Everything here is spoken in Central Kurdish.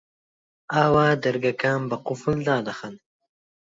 ئەوا دەرگاکان بە قوفڵ دادەخەن